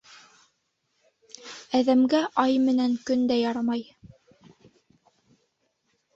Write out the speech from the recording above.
Әҙәмгә ай менән көн дә ярамай.